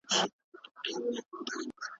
د څښاک اوبه باید پاکې وي.